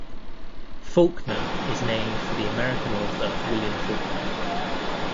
Faulkner is named for the American author William Faulkner.